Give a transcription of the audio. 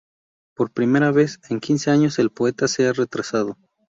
Por primera vez en quince años el poeta se ha retrasado.